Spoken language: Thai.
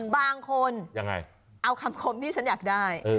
บางคนเอาคำคมที่ฉันอยากได้